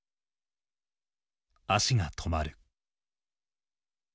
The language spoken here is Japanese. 「足がとまる」。